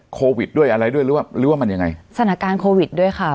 โควิดด้วยอะไรด้วยหรือว่าหรือว่ามันยังไงสถานการณ์โควิดด้วยค่ะ